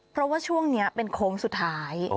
เพราะว่าช่วงนี้เป็นโค้งสุดท้าย